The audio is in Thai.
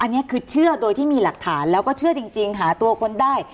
อันนี้คือเชื่อโดยที่มีหลักฐานแล้วก็เชื่อจริงหาตัวคนได้